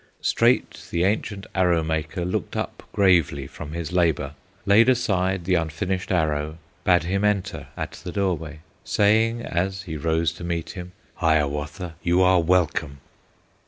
Straight the ancient Arrow maker Looked up gravely from his labor, Laid aside the unfinished arrow, Bade him enter at the doorway, Saying, as he rose to meet him, "Hiawatha, you are welcome!"